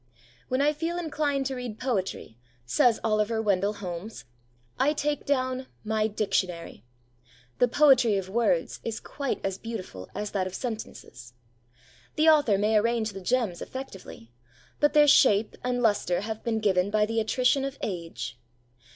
'When I feel inclined to read poetry,' says Oliver Wendell Holmes, 'I take down my dictionary! The poetry of words is quite as beautiful as that of sentences. The author may arrange the gems effectively, but their shape and lustre have been given by the attrition of age.